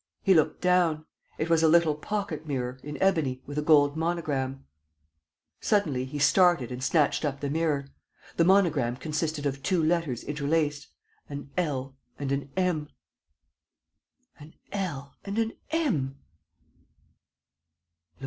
He looked down. It was a little pocket mirror, in ebony, with a gold monogram. Suddenly, he started and snatched up the mirror. The monogram consisted of two letters interlaced, an "L" and an "M." An "L" and an "M!"